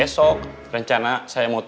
saya mau ke negara compass